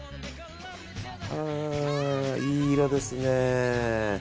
いい色ですね。